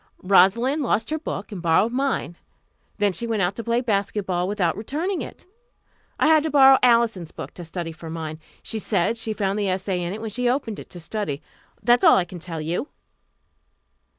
"Rosalind lost her book, and borrowed mine. Then she went out to play basketball without returning it. I had to borrow Alison's book to study for mine. She said she found the essay in it when she opened it to study. That is all I can tell you."